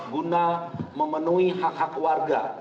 guna memenuhi hak hak warga